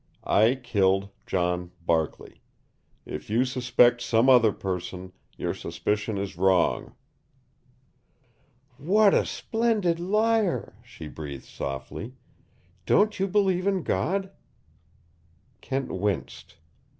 I killed John Barkley. If you suspect some other person, your suspicion is wrong." "What a splendid liar!" she breathed softly. "Don't you believe in God?" Kent winced.